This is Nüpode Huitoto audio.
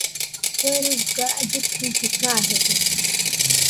Kue riga llɨkɨsi kajede.